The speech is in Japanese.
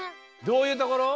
どういうところ？